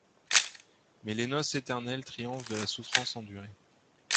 Mais les noces éternelles triomphent de la souffrance endurée.